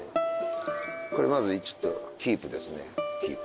これまずキープですねキープ。